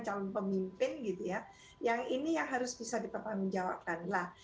yang ini yang harus bisa dipenuhi